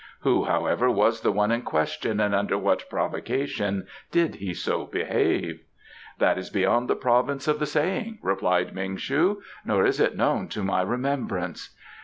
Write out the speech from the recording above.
Who, however, was the one in question and under what provocation did he so behave?" "That is beyond the province of the saying," replied Ming shu. "Nor is it known to my remembrance."